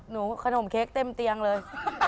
ขนมเค้กเต็มเตียงเลย